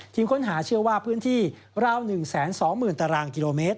ค้นหาเชื่อว่าพื้นที่ราว๑๒๐๐๐ตารางกิโลเมตร